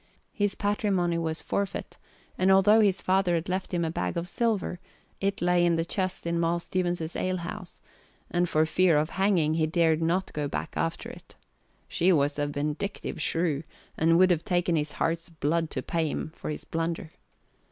His patrimony was forfeit, for although his father had left him a bag of silver, it lay in his chest in Moll Stevens's alehouse, and for fear of hanging he dared not go back after it. She was a vindictive shrew and would have taken his heart's blood to pay him for his blunder.